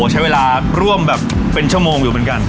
ใช้เวลาร่วมแบบเป็นชั่วโมงอยู่เหมือนกัน